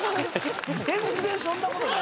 全然そんなことない。